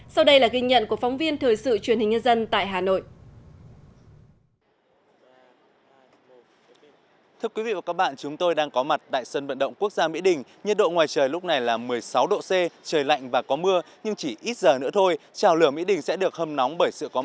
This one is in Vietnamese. sau đây là ghi nhận của phóng viên thời sự truyền hình nhân dân tại hà nội